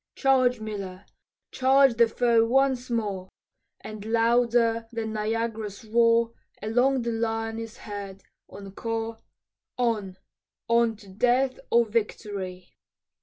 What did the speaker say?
"Charge, Miller, charge the foe once more," And louder than Niagara's roar Along the line is heard, encore, "On, on to death or victory."